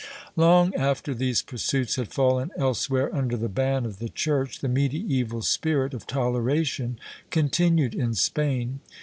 Long after these pursuits had fallen elsewhere under the ban of the Church, the medieval spirit of toleration continued in Spain.